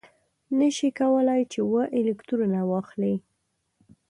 نه شي کولای چې اوه الکترونه واخلي.